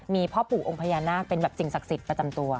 มีพ่อปู่องค์พญานาคเป็นแบบสิ่งศักดิ์สิทธิ์ประจำตัว